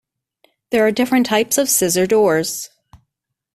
There are different types of scissor doors.